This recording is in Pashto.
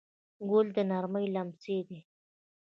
ګل د نرمۍ لمس دی.